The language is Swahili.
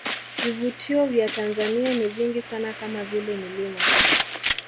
Vivutio vya Tanzania ni vingi sana kama vile milima